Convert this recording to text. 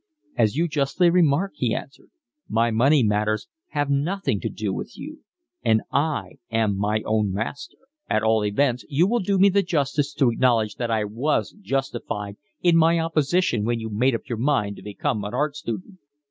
"As you justly remark," he answered, "my money matters have nothing to do with you and I am my own master." "At all events you will do me the justice to acknowledge that I was justified in my opposition when you made up your mind to become an art student."